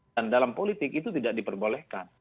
dan dalam politik itu tidak diperbolehkan